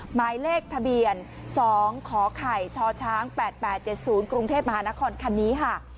หมายเลขทะเบียน๒ขไข่ชช๘๘๗๐กรุงเทพมหานครคันนี้ค่ะ